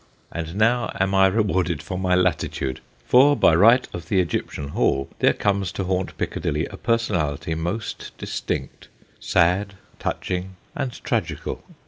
And now am I rewarded for my latitude, for by right of the Egyptian Hall there comes to haunt Piccadilly a per sonality most distinct sad, touching, and tragical.